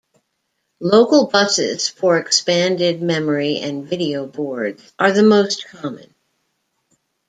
Local buses for expanded memory and video boards are the most common.